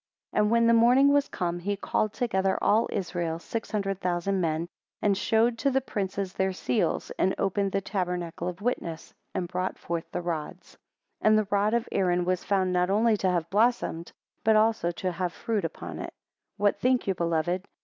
12 And when the morning was come, he called together all Israel, six hundred thousand men; and showed to the princes their seals and opened the tabernacle of witness; and brought forth the rods. 13 And the rod of Aaron was found not only to have blossomed, but also to have fruit upon it. 14 What think you, beloved?